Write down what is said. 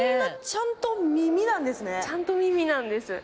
ちゃんと耳なんです。